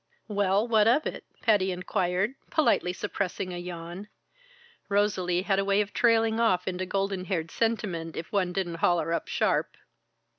"Well, what of it?" Patty inquired, politely suppressing a yawn. Rosalie had a way of trailing off into golden haired sentiment if one didn't haul her up sharp.